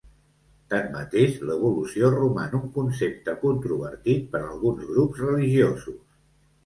Tanmateix, l'evolució roman un concepte controvertit per alguns grups religiosos.